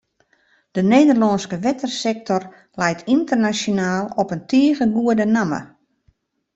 De Nederlânske wettersektor leit ynternasjonaal op in tige goede namme.